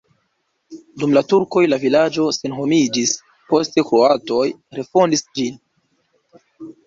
Dum la turkoj la vilaĝo senhomiĝis, poste kroatoj refondis ĝin.